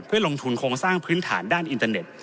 เพื่อลงทุนโครงสร้างพื้นฐานด้านอินเทอร์เน็ต